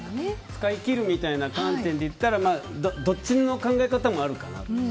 使い切るみたいな観点で言ったら、どっちの考え方もあるかなって。